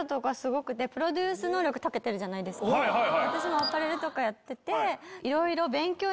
私もアパレルとかやってて。